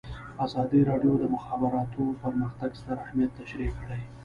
ازادي راډیو د د مخابراتو پرمختګ ستر اهميت تشریح کړی.